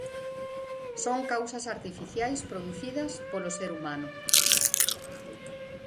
Son causas artificiais producidas polo ser humano.